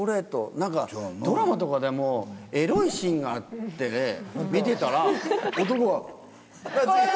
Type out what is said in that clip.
なんかドラマとかでエロいシーンがあって、見てたら、男は、あー！